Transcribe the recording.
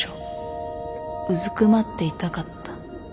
うずくまっていたかった。